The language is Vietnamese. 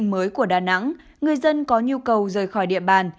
ở khu vực phong tỏa của đà nẵng người dân có nhu cầu rời khỏi địa bàn